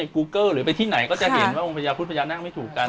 คุกเซิร์ชกดในโกคเกอร์